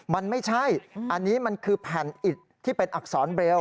มันไม่ใช่อันนี้มันคือแผ่นอิดที่เป็นอักษรเบล